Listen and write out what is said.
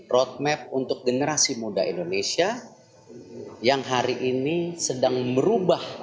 roadmap untuk generasi muda indonesia yang hari ini sedang merubah